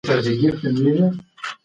دا دستګاه کار کوي.